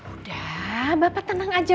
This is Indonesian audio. udah bapak tenang aja